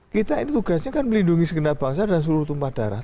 kita ini tugasnya kan melindungi segenap bangsa dan seluruh tumpah darah